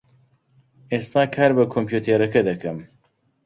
ئێستا کار بە کۆمپیوتەرەکە دەکەم.